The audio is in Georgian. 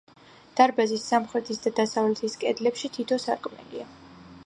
დარბაზის სამხრეთის და დასავლეთის კედლებში თითო სარკმელია.